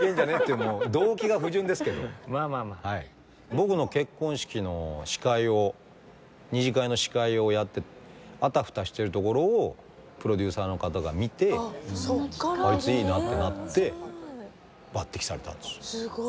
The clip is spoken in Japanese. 僕の結婚式の司会を２次会の司会をやってあたふたしてるところをプロデューサーの方が見てあいついいなってなって抜擢されたんですよ。